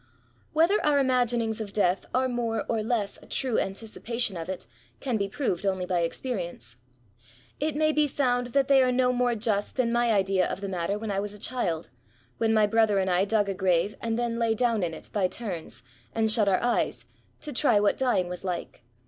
Whether our imaginings of Death are more or less a true anticipation of it, can be proved only by experience. It may be found that they are no more just than my idea of the matter when I was a child, when my brother and I dug a graye, and then lay down in it, by turns, and shut our eyes, to try what dying was like.